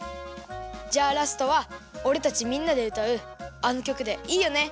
じゃあラストはおれたちみんなでうたうあのきょくでいいよね？